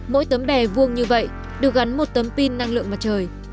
mỗi tấm bè vuông như vậy được gắn một tấm pin năng lượng mặt trời